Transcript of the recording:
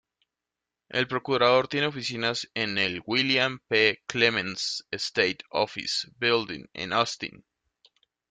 El procurador tiene oficinas en el William P. Clements State Office Building en Austin.